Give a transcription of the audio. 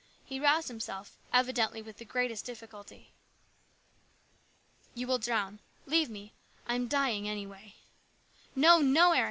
He roused himself, evidently with the greatest difficulty. " You will drown. Leave me. I am dying, anyway." " No, no, Eric !